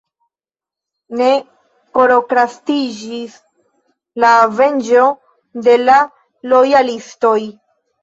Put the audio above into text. Ne prokrastiĝis la venĝo de la lojalistoj.